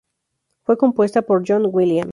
Fue compuesta por John Williams.